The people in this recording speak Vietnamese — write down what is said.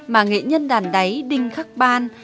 mà nghệ nhân đàn đáy đinh khắc ban